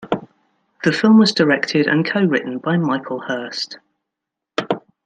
The film was directed and co-written by Michael Hurst.